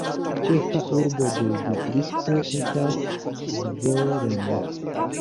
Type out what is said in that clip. Ĉefa urbo de distrikto estas Zvolen.